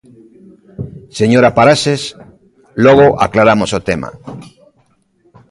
Señora Paraxes, logo aclaramos o tema.